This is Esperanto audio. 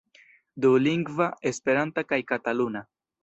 Dulingva, esperanta kaj kataluna.